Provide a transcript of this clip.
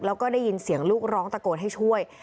แล้วก็ได้ยินเสียงลูกร้องตะโกนให้ช่วย